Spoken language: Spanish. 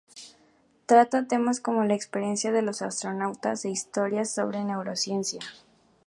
Trata temas como las experiencias de los astronautas e historias sobre neurociencia.